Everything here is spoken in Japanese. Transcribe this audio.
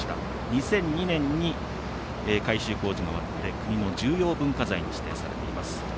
２００２年に改修工事が終わって国の重要文化財に指定されています。